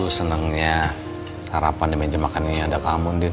lu senengnya harapan di meja makan ini ada kamu din